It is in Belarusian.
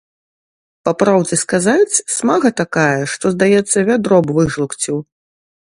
Па праўдзе сказаць, смага такая, што, здаецца, вядро б выжлукціў.